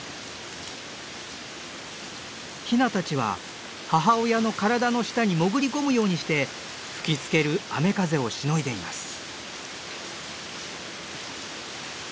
ヒナたちは母親の体の下に潜り込むようにして吹きつける雨風をしのいでいます。